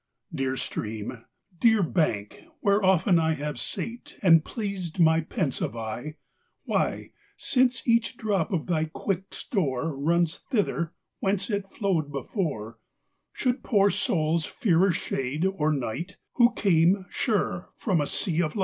Dear stream I dear bank I wiiere often 1 Have sat, and pleased my pensive eye ; Why, since each drop of thy quick store Runs thither whence it flowed before, Should poor souls fear a shade or niglii, Who came (sun) from a sea of light?